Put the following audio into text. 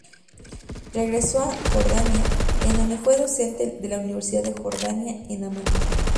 Regresó a Jordania, en donde fue docente de la Universidad de Jordania en Amán.